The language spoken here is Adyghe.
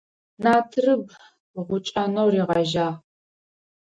Натрыб гъукӀэнэу ригъэжьагъ.